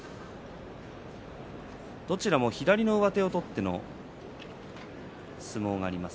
どちらも左の上手を取っての相撲があります。